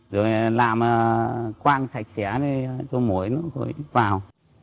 rồi làm quang sạch sẽ thì cô mỗi nó mới vào